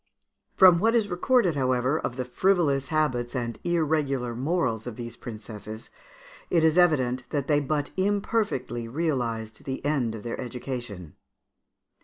From what is recorded, however, of the frivolous habits and irregular morals of these princesses, it is evident that they but imperfectly realised the end of their education.